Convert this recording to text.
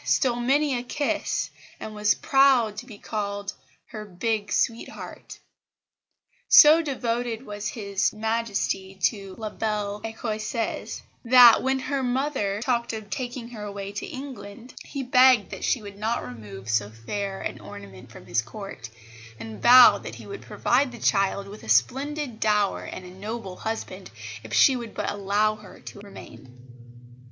stole many a kiss, and was proud to be called her "big sweetheart." So devoted was His Majesty to La belle Ecossaise that, when her mother talked of taking her away to England, he begged that she would not remove so fair an ornament from his Court, and vowed that he would provide the child with a splendid dower and a noble husband if she would but allow her to remain.